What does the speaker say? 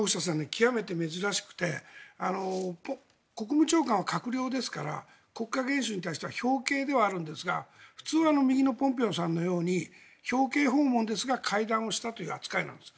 極めて珍しくて国務長官は閣僚ですから国家元首に対しては表敬ではあるんですが普通は右のポンペオさんのように表敬訪問ですが会談をしたという扱いなんです。